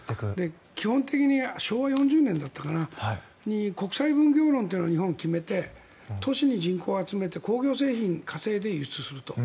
基本的に昭和４０年だったかに国際分業論というのを日本は決めて都市に人口を集めて工業製品を稼いで輸出すると。